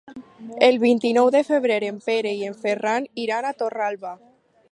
El vint-i-nou de febrer en Pere i en Ferran iran a Torralba.